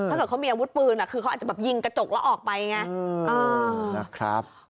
ถ้าเกิดเขามีอาวุธปืนคือเขาอาจจะแบบยิงกระจกแล้วออกไปไงนะครับ